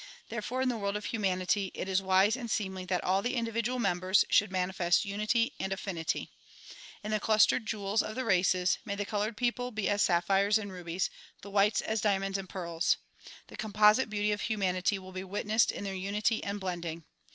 Therefore in the world of humanity it is wise and seemly that all the individual members should manifest unity and affinity. In the clustered jewels of the races, may the colored people be as sapphires and rubies, and the whites as diamonds and pearls. The composite beauty of humanity will be witnessed in their unity and blending.